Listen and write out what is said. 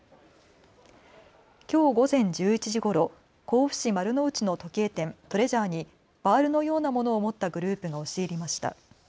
きょう午前１１時ごろ、甲府市丸の内の時計店トレジャーにバールのようなものを持ったグループが押し入りました。